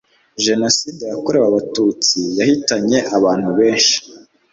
jenoside yakorewe abatutsi yahitanye abantu benshi